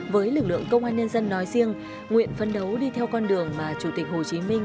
với lực lượng công an nhân dân nói riêng nguyện phấn đấu đi theo con đường mà chủ tịch hồ chí minh